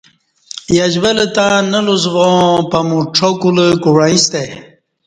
یش ول تݩ نہ لوس واں پمو ڄاکولہ کو وعیݩ ستہ ا ی